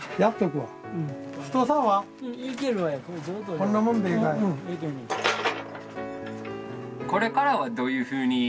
これからはどういうふうに？